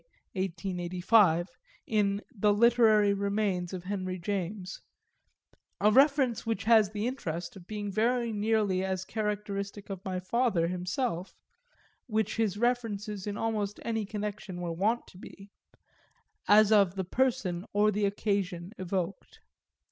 (1885) in The Literary Remains of Henry James; a reference which has the interest of being very nearly as characteristic of my father himself (which his references in almost any connection were wont to be) as of the person or the occasion evoked.